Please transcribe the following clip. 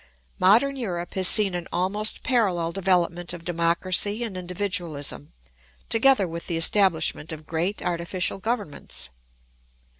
Modern Europe has seen an almost parallel development of democracy and individualism, together with the establishment of great artificial governments.